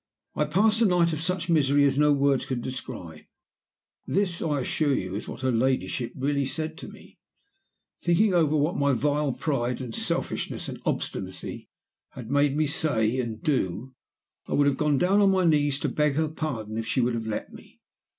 'I passed a night of such misery as no words can describe' this, I assure you, is what her ladyship really said to me 'thinking over what my vile pride and selfishness and obstinacy had made me say and do. I would have gone down on my knees to beg her pardon if she would have let me.